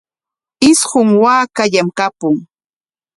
Isqun waakallam kapun.